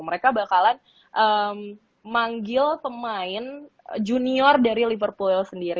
mereka bakalan manggil pemain junior dari liverpool sendiri